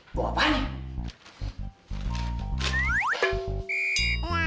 buah apaan nih